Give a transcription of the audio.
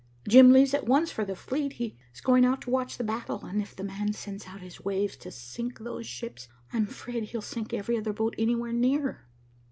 Jim leaves at once for the fleet. He is going out to watch the battle, and if the man sends out his waves to sink those ships, I am afraid he'll sink every other boat anywhere near."